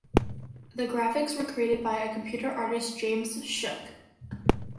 The graphics were created by computer artist James Shook.